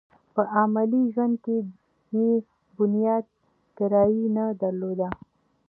په عملي ژوند کې یې بنياد ګرايي نه درلوده.